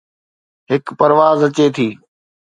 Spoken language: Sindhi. هڪ پرواز اچي ٿي